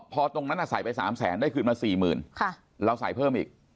พอตรงนั้นใส่ไป๓แสนได้คืนมา๔๐๐๐เราใส่เพิ่มอีก